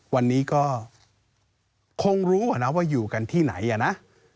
วันนี้ก็คงรู้นะว่าอยู่กันที่ไหนอ่ะนะ